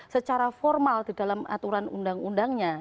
secara formal di dalam aturan undang undangnya